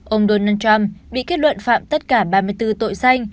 ông donald trump bị kết luận phạm tất cả ba mươi bốn tội danh